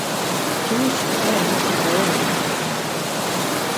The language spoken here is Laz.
Mtnişi aya nosik va yemizdips.